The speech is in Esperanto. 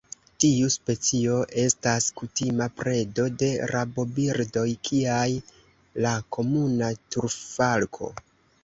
Tiu specio estas kutima predo de rabobirdoj kiaj la Komuna turfalko.